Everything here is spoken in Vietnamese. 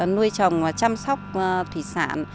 nuôi trồng và chăm sóc thủy sản